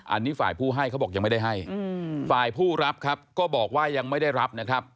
อันนี้ฝ่ายผู้ให้เขาบอกยังไม่ได้ให้ฝ่ายผู้รับครับก็บอกว่ายังไม่ได้รับนะครับ